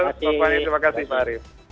terima kasih pak harif